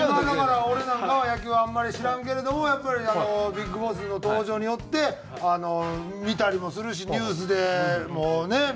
今だから俺なんかは野球あんまり知らんけれどもやっぱりあのＢＩＧＢＯＳＳの登場によって見たりもするしニュースでもね